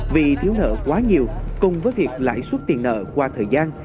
vì thiếu nợ quá nhiều cùng với việc lãi suất tiền nợ qua thời gian